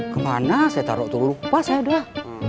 kemana saya taruh itu lupa saya udah